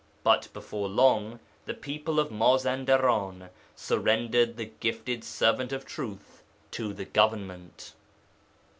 But before long the people of Mazandaran surrendered the gifted servant of truth to the Government.